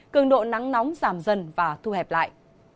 cường độ nắng nóng giảm dần và thu hẹp lại